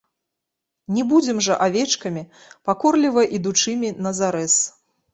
Не будзем жа авечкамі, пакорліва ідучымі на зарэз!